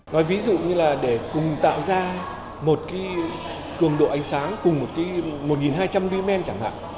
nói ví dụ như là để cùng tạo ra một cái cường độ ánh sáng cùng một cái một hai trăm linh lumen chẳng hạn